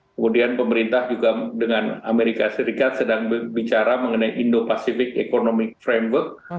kemudian pemerintah juga dengan amerika serikat sedang bicara mengenai indo pacific economic framework